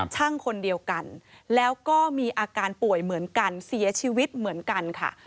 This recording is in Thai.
คนเดียวกันแล้วก็มีอาการป่วยเหมือนกันเสียชีวิตเหมือนกันค่ะ